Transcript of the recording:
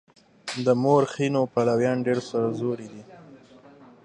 د مورخينو پلويان ډېر سرزوري دي.